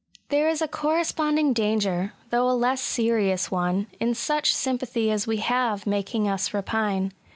There is a corresponding danger, though a less serious one, in such sympathy as we have making us repine.